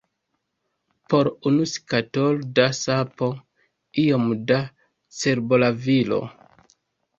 Por unu skatolo da sapo, iom da cerbolavilo.